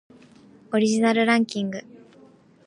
オリジナルランキング